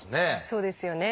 そうですよね。